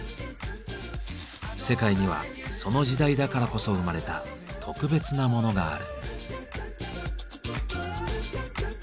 世界にはその時代だからこそ生まれた特別なモノがある。